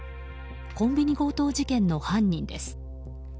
コンビニ強盗事件の犯人です。